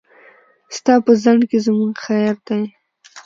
ستا په ځنډ کې زموږ خير دی.